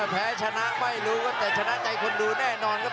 แพ้ชนะไม่รู้ครับแต่ชนะใจคนดูแน่นอนครับ